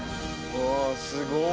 うわすごい。